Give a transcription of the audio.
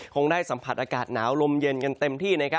คงได้สัมผัสอากาศหนาวลมเย็นกันเต็มที่